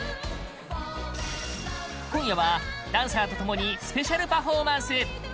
今夜はダンサーと共にスペシャルパフォーマンス！